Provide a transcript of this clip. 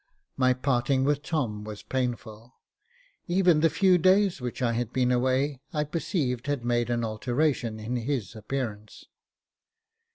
My parting with Tom was painful. Even the few days which I had been away, I perceived, had made an alteration in his appearance.